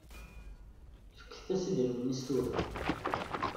Fket-as idrimen-is tura.